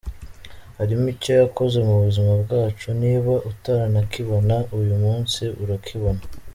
Hari icyo yakoze mu buzima bwacu, niba utaranakibona uyu munsi urakibona.